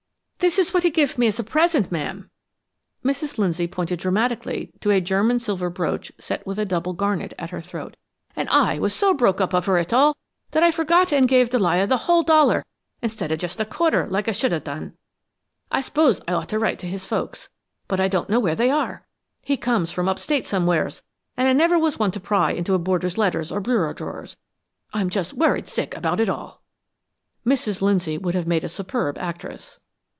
"This is what he give me as a present, ma'am!" Mrs. Lindsay pointed dramatically to a German silver brooch set with a doubtful garnet, at her throat. "And I was so broke up over it all, that I forgot and give Delia the whole dollar, instead of just a quarter, like I should've done. I s'pose I'd ought to write to his folks, but I don't know where they are. He comes from up State somewheres, and I never was one to pry in a boarder's letters or bureau drawers. I'm just worried sick about it all!" Mrs. Lindsay would have made a superb actress.